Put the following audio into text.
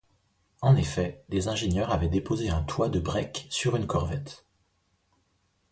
En effet, des ingénieurs avaient déposé un toit de break sur une Corvette.